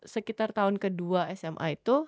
sekitar tahun kedua sma itu